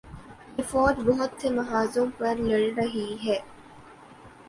یہ فوج بہت سے محاذوںپر لڑ رہی ہے۔